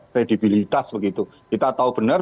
kredibilitas begitu kita tahu benar